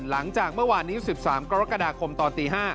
หลังจากเมื่อวานนี้๑๓กรกฎาคมตอนตี๕